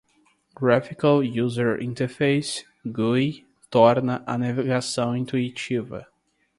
Graphical User Interface (GUI) torna a navegação intuitiva.